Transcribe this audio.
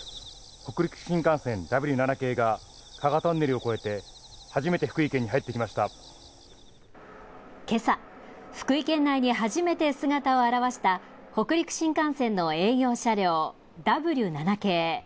北陸新幹線Ｗ７系が加賀トンネルを越えて、初めて福井県に入ってけさ、福井県内に初めて姿を現した北陸新幹線の営業車両、Ｗ７系。